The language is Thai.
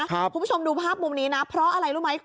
คุณผู้ชมดูภาพมุมนี้นะเพราะอะไรรู้ไหม